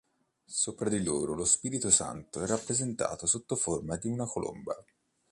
Sopra di loro lo Spirito Santo è rappresentato sotto forma di una colomba.